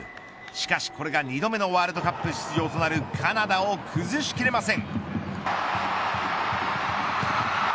しかし、これが２度目のワールドカップ出場となるカナダを崩し切れません。